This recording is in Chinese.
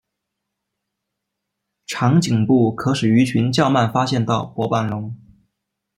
长颈部可使鱼群较慢发现到薄板龙。